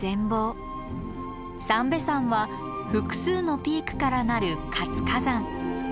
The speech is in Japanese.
三瓶山は複数のピークからなる活火山。